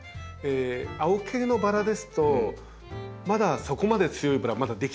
青系のバラですとまだそこまで強いバラはまだ出来てないんです。